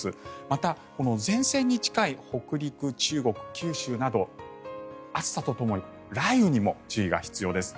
また、前線に近い北陸、中国、九州など暑さとともに雷雨にも注意が必要です。